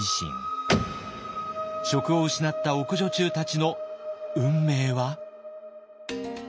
職を失った奥女中たちの運命は。